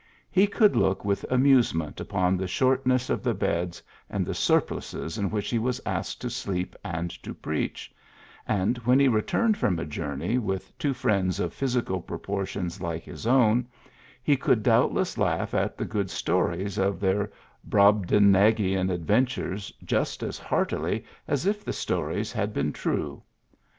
He could look with amusement upon the shortness of the beds and the surplices in which he was asked to sleep and to preach ; and, when he re turned from a journey with two friends of physical proportions like his own, he could doubtless laugh at the good stories of their Brobdingnagian adventures just as heartily as if the stories had been true.